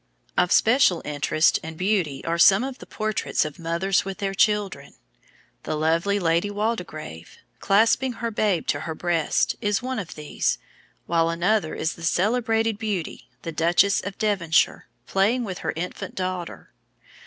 Of special interest and beauty are some of the portraits of mothers with their children. The lovely Lady Waldegrave, clasping her babe to her breast, is one of these, while another is the celebrated beauty, the Duchess of Devonshire, playing with her infant daughter.